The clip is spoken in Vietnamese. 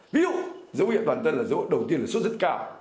ví dụ dấu hiệu toàn thân là dấu hiệu đầu tiên là số rất cao